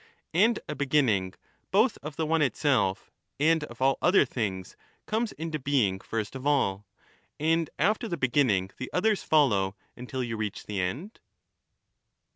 into being And a beginning, both of the one itself and of all other "^^^ things, comes into being first of all ; and after the beginning, them : the others follow, until you reach the end